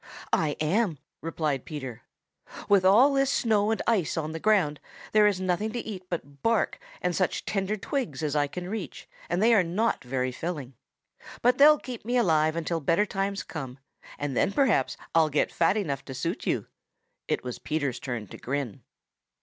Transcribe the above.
"I am," replied Peter. "With all this snow and ice on the ground, there is nothing to eat but bark and such tender twigs as I can reach, and they are not very filling. But they'll keep me alive until better times come, and then perhaps I'll get fat enough to suit you." It was Peter's turn to grin.